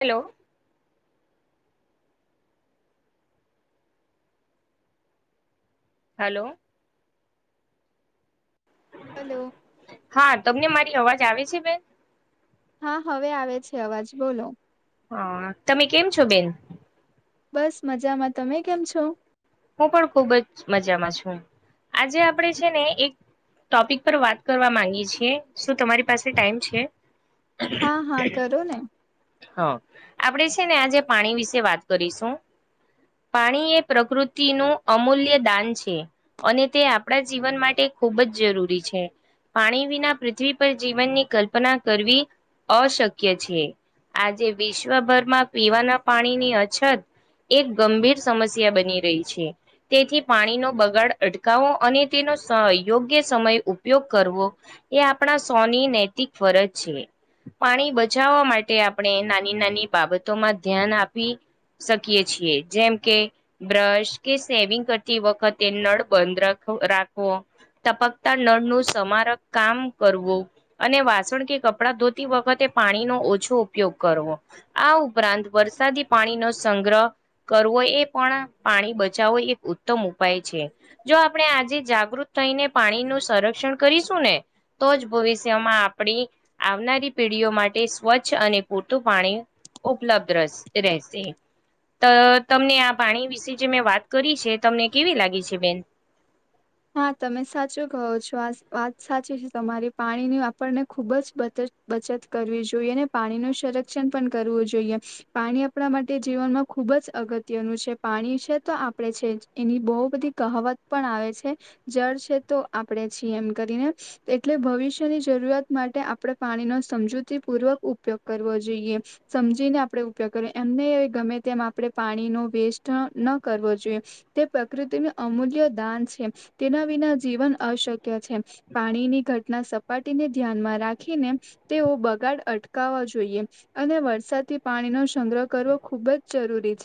Hello hello hello હા તમને મારી અવાજ આવે છે બેન? હા હવે આવે છે અવાજ બોલો. હા તમે કેમ છો બેન? બસ મજામાં તમે કેમ છો? હું પણ ખુબ જ મજામાં છું આજે આપણેે છે ને એક ટોપિક પર વાત કરવા માંગી છીએ શું તમારી પાસે ટાઈમ છે? હા હા કરો ને હા આપણેે છે ને આજે પાણી વિશે વાત કરીશું. પાણી એ પ્રકૃતિનું અમૂલ્ય દાન છે અને તે આપણા જીવન માટે ખુબ જ જરૂરી છે. પાણી વિના પૃથ્વી પર જીવનની કલ્પના કરવી અશક્ય છીએ આજે વિશ્વભરમાં પીવાના પાણીની અછત એક ગંભીર સમસ્યા બની રહી છે તેથી પાણી ની યોગ્ય સમય ઉપયોગ કરવો એ આપણા સૌની નૈતિક ફરજ છે. પાણી બચાવવા માટે આપણે નાની નાની બાબતોમાં ધ્યાન આપી શકીએ છીએ જેમ કે બ્રશ કે સેવિંગ વખતે નળ બંધ રાખવો ટપકતા નળ નું સમારક કામ કરવ અને વાસણ કે કપડા ધોતી વખતે પાણી ન છો ઉપયોગ કરવો આ ઉપરાંત વરસાદી પાણી નો સંગ્રહ કરવો એ પણ પાણી બચાવો એક ઉત્તમ ઉપાય છે જો આપણે આજે જાગૃત થઈને પાણી નું સંરક્ષણ કરીશું ને તો જ ભવિષ્યમાં આપણી આવનારી પી માટે સ્વચ્છ અને પૂરતું પાણી ઉપલબ્ધ રહેશે તો તમને આ પાણી વિશે જે મેં વાત કરી છે તમને કેવી લાગી છે બેન હા તમે સાચો કહો છો આ વાત સાચી છે તમારી પાણીની વારને ખુબ જ બદલ બચત કરવી જોઈએ અને પાણી ન સંરક્ષણ પણ કરવું જોઈએ પાણી આપણા માટે જીવનમાં ખુબ જ અગત્યનું છે પાણી છે તો આપણેે છે એની બહુ બધી કહાવત પણ આવે છે જળ છે તો આપણેે છી એમ કરીને એટલે ભવિષ્યની જરૂરત માટે આપણે પાણી સમજૂ પૂર્વક ઉપયોગ કરવો જોઈએ સમજીને આપણે ઉપયોગ કરી એમને ગમે તેમ આપણે પાણીનો વેસ્ટ ન કરવો જોઈએ તે પ્રકૃતિનું અમૂલ્ય દાન છે તેના વિના જીવન અશક્ય છે પાણીની ઘટના સપાટીને ધ્યાનમાં રાખીને તેઓ બગાડ અટકાવવા જોઈએ અને વરસાદ થી પાણીનોો સંગ્રહ કરવો ખુબ જ જરૂરી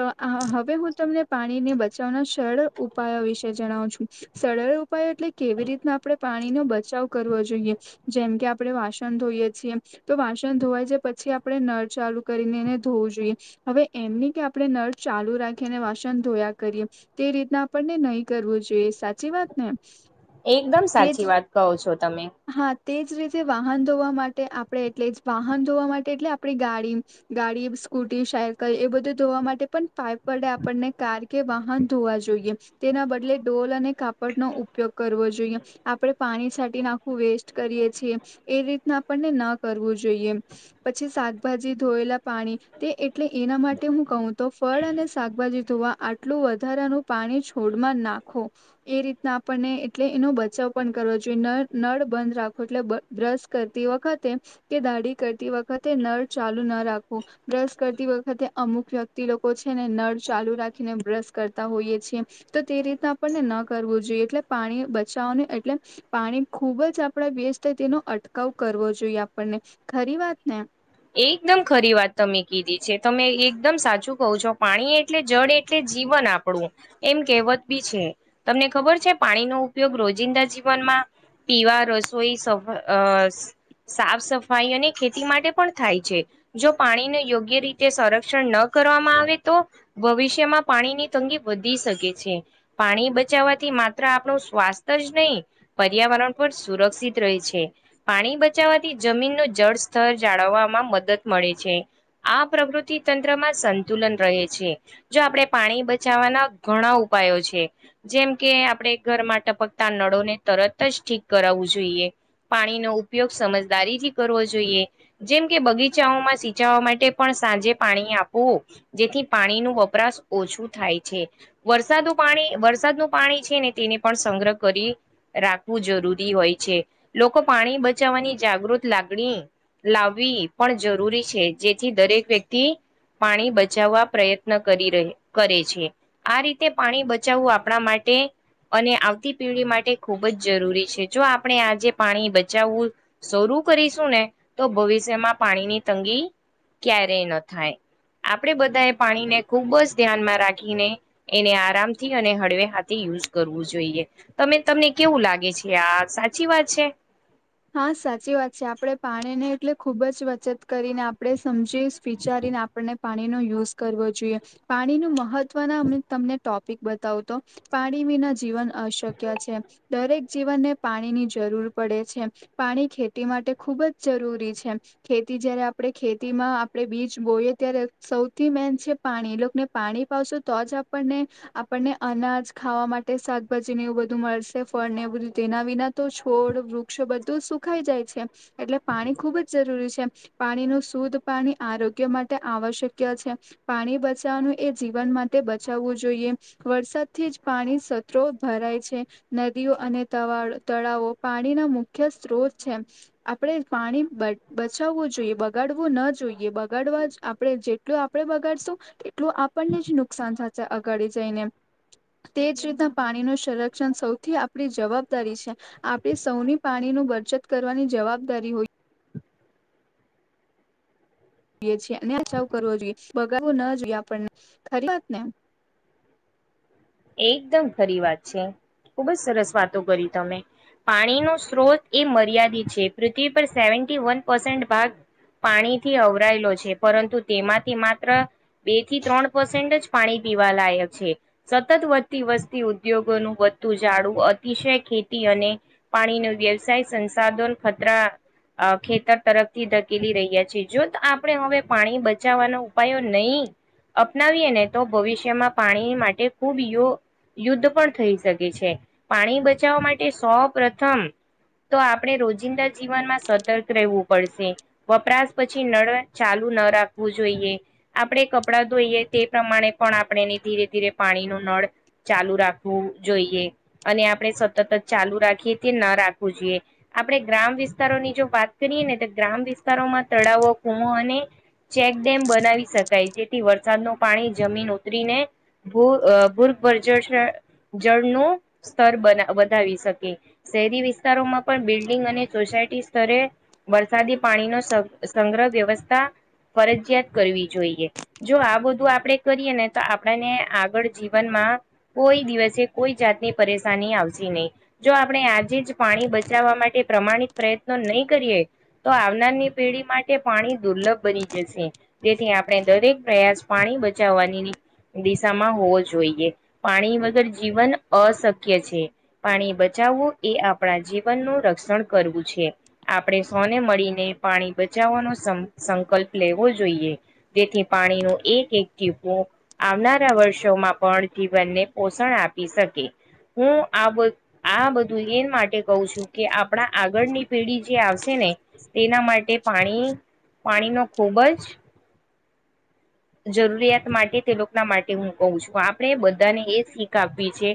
તો હવે હું તમને પાણીને બચાવના સરળ ઉપાયો વિશે જણાવ છું સરળ ઉપાય એટલે કેવી રીતના આપણે પાણીનોો બચાવ કરવો જોઈએ જેમ કે આપણે વાસણ છ તો વાસણ ધોવાય છે પછી આપણે નળ ચાલુ કરીને એને ધોવું જોઈએ હવે આપણે નળ ચાલુ રાખી અને વાસન ધોયા કરીએ તે રીતના આપણને નહીં કરવું જોઈએ સાચી વાત ને એકદમ તે સાચી જ વાત કહો છો તમે હા તેજ રીતે વાહન ધોવા માટે આપણે એટલે વાહન ધોવા માટે એટલે આપણી ગાડી ગાડી સ્કૂટી બધ ધોવા માટે પાપ વડે આપને કાર કે વાહન ધોવા જોઈએ તેના બદલે ડોલ અને કાપડ નો ઉપયોગ કરવો જોઈએ આપણે પાણી સા નાખ વેસ્ટ કરીએ છીએ એ રીતના આપણને ન કરવું જોઈએ પછી શાકભાજી ધો પાણી એટલે એના માટે હું કહું તો ફળ અને શાકભાજી જોવા આટલું વધારાનું પાણી છોડમાં નાખો એ રીતના આપણને એટલે એનો બચાવ પણ કરવો જોઈએ ન નળ બંધ રાખો એટલે બ્રશ કરતી વખતે કે દાઢી કરતી વખતે નળ ચાલુ રાખું બ્રશ કરતી વખતે અમુક વ્યક્તિ લોકો છે ને નળ ચાલુ રાખીને બ્રશ કરતા હો હોઈ છે તો તે રીતના આપણને ન કરવું જોઈએ એટલે પાણી બચાવવાનું એટલે પાણી ખુબ જ આપડા વ્યસ્ત તેનો અટકાવ કરવો જોઈએ આપણને ખરી વાત ને એકદમ ખરી વાત તમે કીધી છે તમે એકદમ સાચું કહો છો પાણી એટલે જળ એટલે જીવન આપણું એમ કહેવત બી છે તમને ખબર છે પાણીનો ઉપયોગ રોજિંદા જીવનમાં પીવા રસોઈ સફ અ સાફ સફાઈ અને ખેતી માટે પણ થાય છે. જો પાણીને યોગ્ય રીતે સંરક્ષણ ન કરવામાં આવે તો ભવિષ્યમાં પા ણી ની તંગી વધી શકે છે. પાણી બચાવવાથી માત્ર આપણું સ્વાસ્થ્ય જ નહી પર્યાવરણ પર સુરક્ષિત રહે છે. પાણી બચાવવાથી જમીન નું જળસ્તર જાળવવા મદદ મળે છે આ પ્રવૃતિ તંત્રમાં સંતુલન રહે છે જો આપણે પાણી બચાવવાના ઘણા ઉપાયો છે જેમ કે આપણે ઘરમાં ટપકતા નળોને તરત જ ઠીક કરાવવું જોઈએ. પાણીનો ઉપયોગ સમજદારીથી કરવો જોઈએ જેમ કે બગીચાઓમાં સિંચાવા માટે પણ સાંજે પાણી આપવુ જેથી પાણી નું વપરાશ ઓ છો થાય છે વરસાદનું પાણી વરસાદનું પાણી છે ને તેને પણ સંગ્રહ કરી રા રાખવું જરૂરી હોય છે લોકો પાણી બચાવવાની જાગૃત લાગણી લાવવી પણ જરૂરી છે જેથી દરેક વ્યક્તિ પાણી બચાવવા પ્રયત્ન કરી કરે છે આ રીતે પાણી બચાવવું આપણા મા ટે અને આવતી પીઢી માટે ખૂબ જ જરૂરી છે જો આપણે આજે પાણી બચાવવું શરૂ કરીશું ને તો ભવિષ્યમાં પાણીની તંગી ક્યારેય ન થાય. આપણે બધાએ પાણીને ખુબ જ ધ્યાનમાં રાખીને એને આરામથી અને હળવે હાથી યુઝ કરવું જોઈએ. તમે તમને કેવું લાગે છે આ સાચી વાત છે? હા સાચી વાત છે આપડે પાણીને એટલે ખુબ જ બચત કરીને આપડણે સમજ જે વિચારીને આપણને પાણીનો યુઝ કરવો જોઈએ. પાણી નું મહત્વના તમને ટો પિક બતાવ તો પાણી વિના જીવન અશક્ય છે. દરેક જીવનને પાણીની જરૂર પડે છે. પાણી ખેતી માટે ખુબ જ જરૂરી છે. ખેતી જ્યાંરે આપણે ખેતીમાં આપડે બીજ બોયે ત્યારે સૌથી મેન છે પાણી એલોકને પાણી પાવશો તો જ આપણને આપને અના જ ખાવા માટે શાકભાજી ને એવું બધું મળશે ફળ ને એવું બધું તેના વિના તો છોડ વૃક્ષ બ ધું સુખાઈ જાય છે. એટલે પાણી ખુબ જ જરૂરી છે. પાણીનું શુદ્ધ પાણી આરોગ્ય માટે આવશક છે. પાણી બચાવવાનું એ જીવન માટે બચાવવું જોઈએ. વરસાદથી પાણી સત્રો ભરાય છે. નદીઓ અને તવા તળાવો પાણીના મુ ખ્ય સ્ત્રોત છે. આપણે પાણી બ બચાવવું જોઈએ બગાડવું ન જોઈએ. બગાડવું આપણે જેટલું આપણે બગાડશું એટલું આપણને જ નુકસાન થસે અગાડી જઈને. તેજ રીતના પાણી નું સંરક્ષણ સૌથી આપણી જવાબદારી છે. આપણી સૌની પાણીનું બચત કરવાની જવાબદારી હોય છીએ અને બચાવ કરવો જોઈએ બગાડવો ના જોઈએ આપણને ખરી વાત ને એકદમ ખરી વાત છે. ખુબ જ સરસ વાતો કરી તમે. પાણી નો સ્ત્રોત એ મર્યાદિત છે. પૃથ્વી પર સેવેન્ટી વન પસેન્ટ ભાગ પાણીથી અવરાયેલો છે. પરંતુ તેમાંથી માત્ર બે થી ત્રણ પર્સેન્ટ જ પાણી પીવા લાયક છે. સતત વધતી વસતી ઉદ્યોગોનું વધતું જાડું અતિશય ખેતી અને પાણી નું વ્ય વસાય સંસાધન ખતરા અ ખેતર તરફથી ધકેલી રહ્યા છીએ જો ત આપણે હવે પાણી બચાવવાનો ઉપાયો નહી અપનાવીએ ને તો ભવિષ્યમાં પાણી માટે ખૂબ યુ યુદ્ધ પણ થઈ શકે છે. પાણી બચાવવા માટે સૌ પ્રથમ તો આપણે રોજિંદા જીવનમાં સતર્ક રહેવું પડશે. વપરાશ પછી નળ ચાલુ ન રાખવું જોઈએ. આપણે કપડા ધોઈએ તે પ્રમાણે પણ આપણેને ધીરે ધીરે પાણી નું નળ ચાલુ રાખવું જોઈએ. અને આપણે સતત જ ચાલુ રાખીએ તે ન રાખવું જોઈએ. આપણે ગ્રામ વિસ્તારો ની જો વાત કરીએ ને તો ગ્રામ વિસ્તારોમાં તળાવો કુમો અને ચેકડેમ બનાવી શકાય તેથી વરસાદ નું પાણી જમીન ઉતરીને ભૂ ભૂર્ગ બર્જર છે જળ નું સ્તર બના વધાવી શકે શહેરી વિસ્તારોમાં પણ બિલ્ડિંગ અને સોસા સોસાયટી સ્તરે વરસાદી પાણી નો સ સંગ્રહ વ્યવસ્થા ફરજિયાત કરવી જોઈએ જો આ બધું આપળે કરીએને તો આપળાને આગળ જીવનમાં કોઈ દિવસે કોઈ જાતની પરેશાની આવશે નઈ જો આપળે આ- તેજ પાણી બચાવા માટે પ્રમાણિત પ્રયત્નો નઈ કરીએ તો આવનારની પેઢી માટે પાણી દુર્લભ બની જશે તેથી આપળે દરેક પ્રયાસ પાણી બચાવાનીની દી- તામાં હોવો જોઈએ પાણી વગર જીવન અશક્ય છે પાણી બચાવું- એ આપળા જીવનનું રક્ષણ કરવું છે આપળે સોને મળીને પાણી બચાવાનો- સં-સંકલ્પ લેવો જોઈએ જેથી પાણીનો એક એક ટીપું આવનાર વર્ષોમાં પણ જીવનને પોષણ આપી શકે હું આબ-આ બધું એ માટે કઉ છું કે આપળા આગળની પેઢી જે આવશે ને- તેના માટે પાણી-પાણીનો ખૂબ જ જરૂરિયાત માટે તે લોકના માટે હું કઉ છું આપળે એ બધાને એ શીખ આપવી છે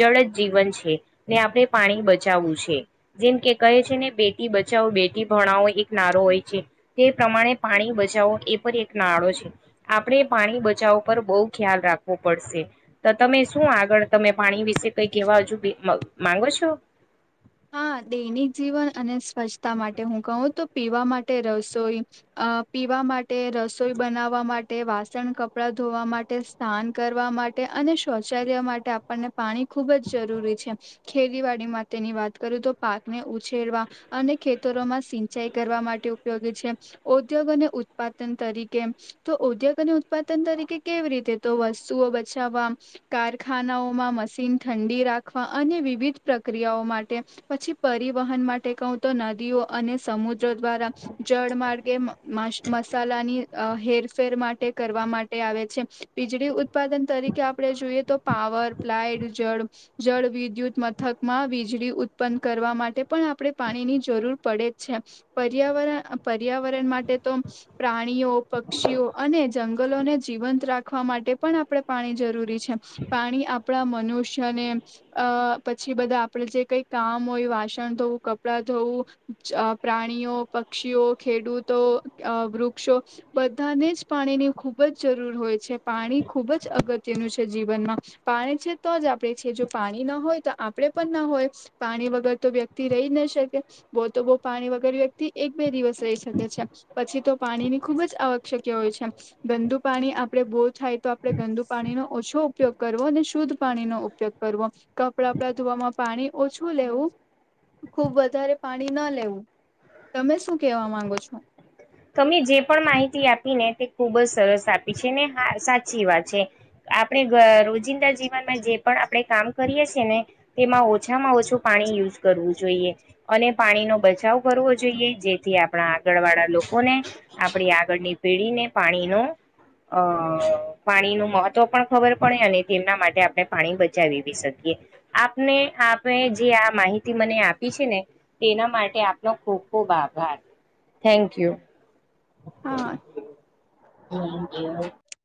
જળજ જીવન છે ને આપળે એ પાણી બચાવવું છે જેમ કે કહે છેને બેટી બચાઓ બેટી ભણાવો એક નારો હોય છે તે પ્રમાણે પાણી બચાવો એ પર એક નારો છે આપળે એ પાણી બચાવ ઉપર બઉ ખ્યાલ રાખવો પળશે તો તમે શું આગળ તમે પાણી વિશે કંઈ કેવા હજુબી મ માંગો છો? હા દૈનિક જીવન અને સ્વચ્છતા માટે હું કહું તો પીવા માટે રસોઈ અ પીવા માટે, રસોઈ બનાવા માટે, વાસણ કપળા ધોવા માટે, સ્નાન કરવા માટે અને સૌચાલ્ય માટે આપણને પાણી ખુબજ જરૂરી છે. ખેતીવાળી માટેની વાત કરું તો પાકને ઉછેરવા અને ખેતરોમાં સિંચાઈ કરવા માટે ઉપયોગી છે. ઔધ્યો ગો ને ઉત્પાદન તરીકે એમ તો ઉદ્યોગોને ઉત્પાદન તરીકે કેવી રીતે તો વસ્તુઓ બચા વવા કારખાનાઓમાં મશીન ઠંડી રાખવા અને વિવિધ પ્રક્રિયાઓમા ટે પછી પરિવહન માટે કઉતો નદીઓ અને સમુદ્ર દ્વારા જળ માર્ગે મસ મસાલાની અ હેરફેર માટે કરવા માટે આવે છે વીજળી ઉત્પાદન તરીકે આપળે જોઈએ તો પાવર પ્લાઈડ, જળ, જળ વિદ્યુત મથકમાં વીજળી ઉત્પન્ન કરવા માટે પણ આપળે પાણીની જરૂર પળેજ છે પર્યાવરણ-પર્યાવરણમાં માટે તો પ્રાણીઓ પક્ષીઓ અને જંગલોને જીવંત રાખવા માટે પણ આપળે પા પાણી જરૂરી છે. પાણી આપળા મનુષ્યને એમ અ પછી બધા આપળે જે કઈ કામ હોય, વાસણ ધોઉ, કપળા ધોઉ, અ પ્રાણીઓ, પક્ષીઓ, ખેડૂતો અ વૃક્ષો બધાને જ પાણીની ખૂબ જ જરૂર હોય છે. પાણી ખૂબ જ અગત્યનું છે જીવનમાં. પાણી છે તો જ આપડે છે જો પાણી ન હોય તો આપડે પણ ન હોય. પાણી વગર તો વ્યક્તિ રહી જ ના શકે. બો તો બો વ્યક્તિ પાણી વગર એક બે દિવસ રહી શકે છે. પછી તો પાણીની ખુબજ આવક શ્યક હોય છે. ગંદુ પાણી આપળે બો થાય તો આપડે ગંદુ પાણી પાણીનો ઓછો ઉપયોગ કરવો ને શુધ પાણી નો ઉપયોગ કરવો. કપડાં બપડા ધોવામાં પાણી ઓછું લેવુ ખૂબ વધારે પાણી ન લેવું. તમે શું કેવા માંગો છો? તમે જે પણ માહિતી આપી ને તે ખુબ જ સરસ આપી છેને હા સાચી વાત છે. આપળે ગ રોજિંદા જીવનમાં જે પણ આપળે કામ કરીએ સીએને તેમાં ઓછામાં ઓછું પાણી યુઝ કરવું જોઈએ અને પાણીનો બચાવ કરવો જોઈએ જેથી આપડા આગળવાળા લોકો કોને આપડી આગળની પેઢીને પાણીનો અ પાણીનું મહત્વ પણ ખબર પડે અને તેમના માટે આપડે પાણી બચાવી શક એ. આપને આપણે જે આ માહિતી આપી છે ને તેના માટે આપણો ખૂબ ખૂબ ઓ બાપા થૅન્ક યૂ. હા [unintelligible]